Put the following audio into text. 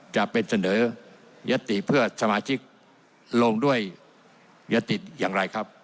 จะเป็นเสนอยติเพื่อสมาชิกลงด้วยยติอย่างไรครับ